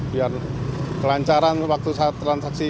biar kelancaran waktu transaksi